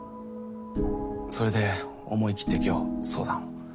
それで思い切って今日相談を。